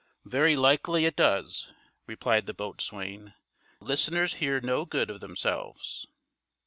"Very likely it does," replied the boatswain. "Listeners hear no good of themselves."